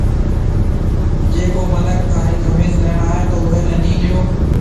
جيَ ڪو مِنک ٿارِي کمِيس ليڻ آئي تو اُوئي نَي نِي ڏيو۔